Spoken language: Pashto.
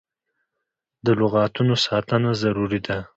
د لغتانو ساتنه ضروري ده.